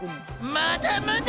まだまだ。